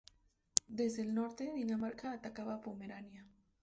Desde el norte, Dinamarca atacaba Pomerania.